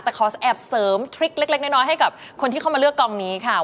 แต่ขอแอบเสริมทริคเล็กน้อยให้กับคนที่เข้ามาเลือกกองนี้ค่ะ